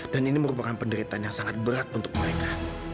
dan ini merupakan penderitaan yang sangat berat untuk mereka